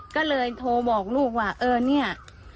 ก็เลยโทรบอกลูกว่าเออเนี่ย